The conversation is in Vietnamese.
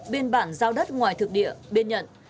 biên bản giao đất ngoài thực địa biên nhận